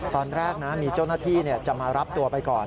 ตอนแรกนะมีเจ้าหน้าที่จะมารับตัวไปก่อน